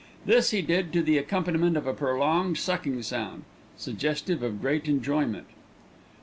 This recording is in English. This he did to the accompaniment of a prolonged sucking sound, suggestive of great enjoyment.